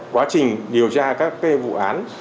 quá trình điều tra các vụ án